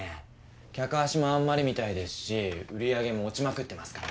客足もあんまりみたいですし売り上げも落ちまくってますからね。